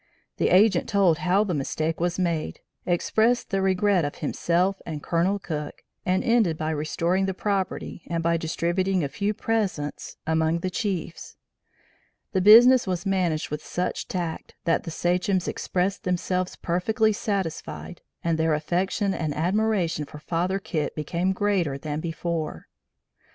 The agent told how the mistake was made, expressed the regret of himself and Colonel Cook and ended by restoring the property and by distributing a few presents among the chiefs. The business was managed with such tact that the sachems expressed themselves perfectly satisfied and their affection and admiration for Father Kit became greater than before.